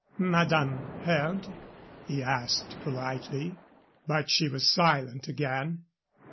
"Madame heard?" he asked, politely. But she was silent again.